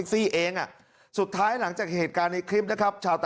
็เกิดไปถึงแยกเอกไอกมาย